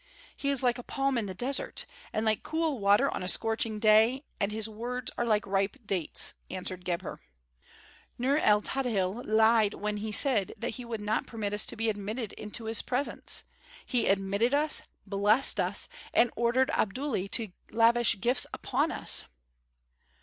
"He is like a palm in the desert, and like cool water on a scorching day, and his words are like ripe dates," answered Gebhr. "Nur el Tadhil lied when he said that he would not permit us to be admitted to his presence. He admitted us, blessed us, and ordered Abdullahi to lavish gifts upon us."